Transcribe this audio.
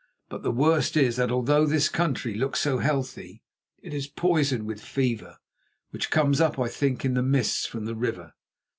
But the worst is that although this country looks so healthy, it is poisoned with fever, which comes up, I think, in the mists from the river.